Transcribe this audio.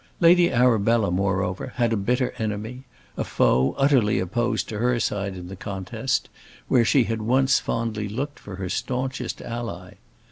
Lady Arabella, moreover, had a bitter enemy; a foe, utterly opposed to her side in the contest, where she had once fondly looked for her staunchest ally.